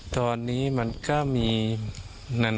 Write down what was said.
ตอนนี้มันก็มีนั่น